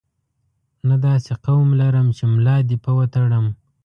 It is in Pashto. نه داسې قوم لرم چې ملا دې په وتړم.